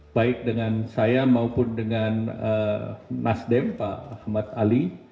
baik dengan saya maupun dengan nasdem pak ahmad ali